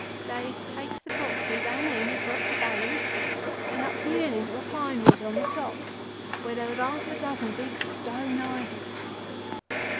They takes the boxes and him across the valley and up the hill into a pine wood on the top, where there was half a dozen big stone idols.